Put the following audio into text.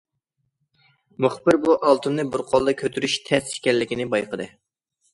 مۇخبىر بۇ ئالتۇننى بىر قولدا كۆتۈرۈش تەس ئىكەنلىكىنى بايقىدى.